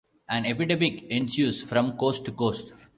An epidemic ensues from coast to coast.